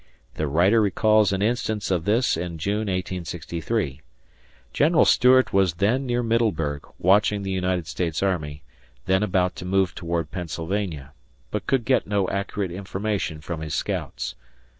The writer recalls an instance of this in June, 1863. General Stuart was then near Middleburg, watching the United States Army then about to move toward Pennsylvania but could get no accurate information from his scouts.